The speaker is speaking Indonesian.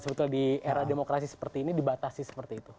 sebetulnya di era demokrasi seperti ini dibatasi seperti itu